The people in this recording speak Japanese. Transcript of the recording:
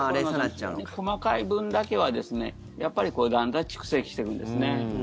細かい分だけはやっぱりだんだん蓄積していくんですね。